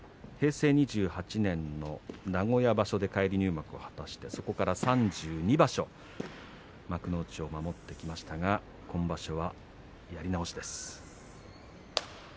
平成２８年の名古屋場所で返り入幕を果たしてそこから３２場所幕内を守ってきましたが今場所はやり直しです。